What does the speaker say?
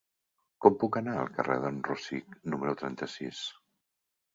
Com puc anar al carrer d'en Rosic número trenta-sis?